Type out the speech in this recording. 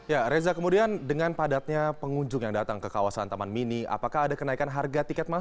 ya reza kemudian dengan padatnya pengunjung yang datang ke kawasan taman mini apakah ada kenaikan harga tiket masuk